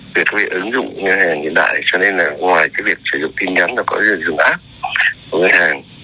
việc ứng dụng ngân hàng hiện đại cho nên là ngoài việc sử dụng tin nhắn là có dùng app